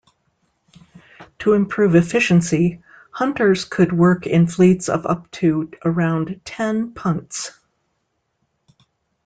To improve efficiency, hunters could work in fleets of up to around ten punts.